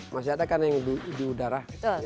masih ada kan yang di udara